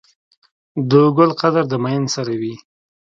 د ګل قدر د ميئن سره وي.